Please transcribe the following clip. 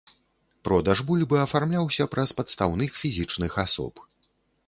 Продаж бульбы афармляўся праз падстаўных фізічных асоб.